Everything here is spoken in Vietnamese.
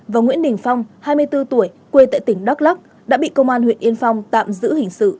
và nguyễn đình phong hai mươi bốn tuổi quê tại tỉnh đắk lắc đã bị công an huyện yên phong tạm giữ hình sự